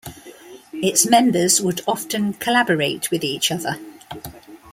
Its members would often collaborate with each other.